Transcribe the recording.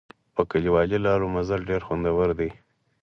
په کلیوالي لارو مزل ډېر خوندور دی.